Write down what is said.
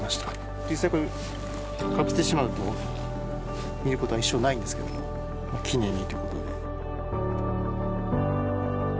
実際これかぶせてしまうと見ることは一生ないんですけども記念にっていうことで。